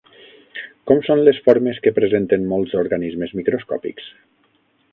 Com són les formes que presenten molts organismes microscòpics?